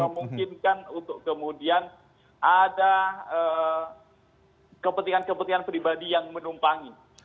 maka kemudian memang memungkinkan untuk kemudian ada kepentingan kepentingan pribadi yang menumpangi